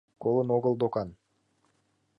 Колын огыл докан.